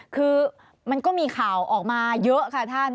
คือมันก็มีข่าวออกมาเยอะค่ะท่าน